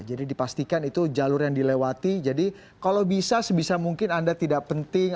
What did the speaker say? jadi dipastikan itu jalur yang dilewati jadi kalau bisa sebisa mungkin anda tidak penting